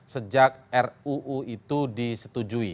sejak ruu itu disetujui